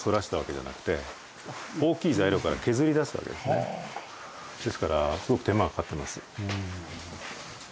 これはこういうですからすごく手間がかかってます。